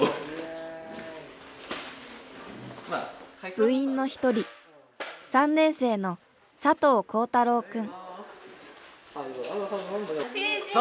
部員の一人３年生の佐藤光太楼くん。